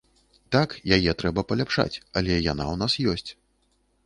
Так, яе трэба паляпшаць, але яна ў нас ёсць.